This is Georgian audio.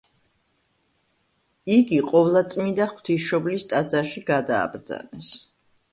იგი ყოვლადწმიდა ღვთისმშობლის ტაძარში გადააბრძანეს.